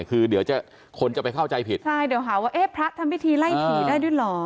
คือเดี๋ยวคนจะไปเข้าใจผิดเดี๋ยวหาว่าพระทำวิธีไล่ผิดได้ด้วยหรอ